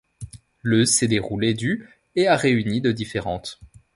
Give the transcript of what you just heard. Le s'est déroulé du et a réuni de différentes.